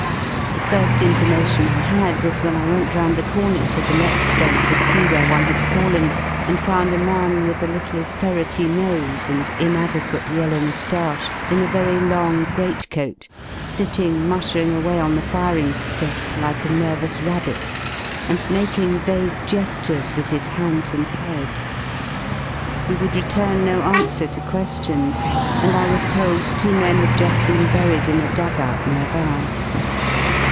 The fir^ intimation I had was when I went round the comer to the next bay to see where one had fallen, and found a man with a little ferrety nose and inadequate yellow mou^ache, in a very long great coat, sitting muttering away on the firing ^ep like a nervous rabbit and making vague ge^ures with his hands and head. He would return no answer to que^ions, and I was told two men had ju^ been buried in a dug out near by.